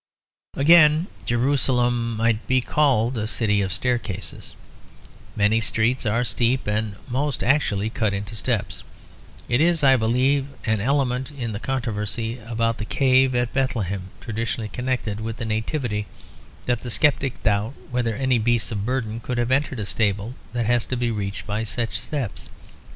Again, Jerusalem might be called a city of staircases. Many streets are steep and most actually cut into steps. It is, I believe, an element in the controversy about the cave at Bethlehem traditionally connected with the Nativity that the sceptics doubt whether any beasts of burden could have entered a stable that has to be reached by such steps.